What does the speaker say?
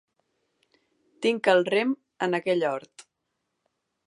Tinc el rem en aquell hort.